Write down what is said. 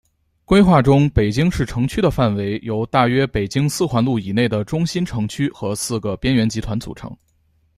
规划中北京市城区的范围由大约北京四环路以内的中心城区和十个边缘集团组成。